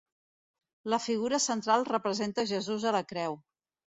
La figura central representa Jesús a la creu.